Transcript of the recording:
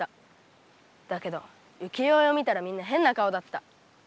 だけど浮世絵を見たらみんな変な顔だった。